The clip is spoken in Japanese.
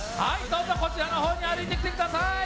どうぞこちらのほうに歩いてきてください。